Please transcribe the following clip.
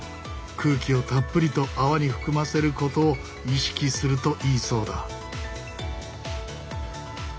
空気をたっぷりと泡に含ませることを意識するといいそうだ。